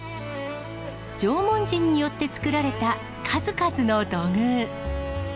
縄文人によって作られた数々の土偶。